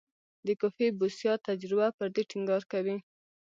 د کوفي بوسیا تجربه پر دې ټینګار کوي.